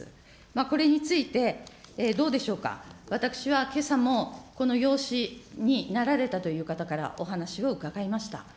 これについて、どうでしょうか、私はけさもこの養子になられたという方から、お話を伺いました。